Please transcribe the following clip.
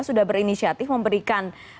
sudah berinisiatif memberikan